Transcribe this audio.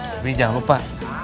tapi jangan lupa